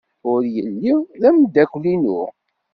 Ur yelli d ameddakel-inu.